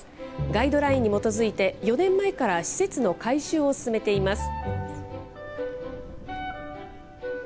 ガイドラインに基づいて、４年前から施設の改修を進めています。